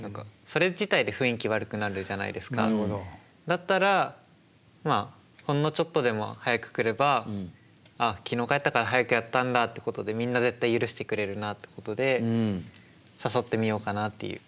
だったらまあほんのちょっとでも早く来れば「あ昨日帰ったから早くやったんだ」ってことでみんな絶対許してくれるなってことで誘ってみようかなっていう。